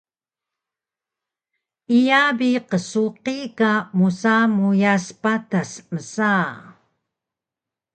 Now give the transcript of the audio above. “Iya bi qsuqi ka musa meuyas patas” msa